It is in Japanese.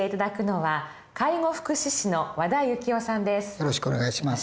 よろしくお願いします。